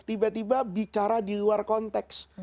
tiba tiba bicara di luar konteks